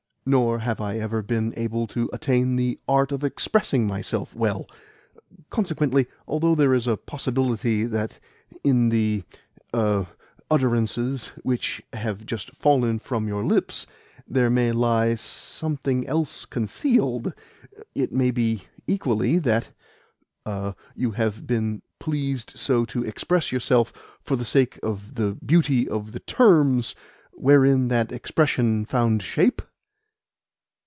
Nor have I ever been able to attain the art of expressing myself well. Consequently, although there is a possibility that in the er utterances which have just fallen from your lips there may lie something else concealed, it may equally be that er you have been pleased so to express yourself for the sake of the beauty of the terms wherein that expression found shape?"